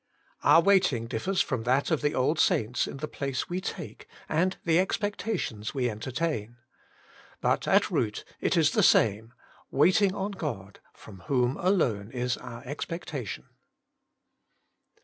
Our waiting differs from that of the old sainti In the plac« we take, and the expectations m WAITING ON GODf 129 >'''"' entertain. But at root it is the same : waiting on God, from whom alone is our expectation.